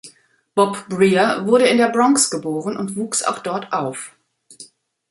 Bob Brier wurde in der Bronx geboren und wuchs auch dort auf.